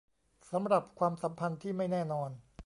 สำหรับความสัมพันธ์ที่ไม่แน่นอน